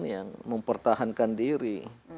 yang mempertahankan diri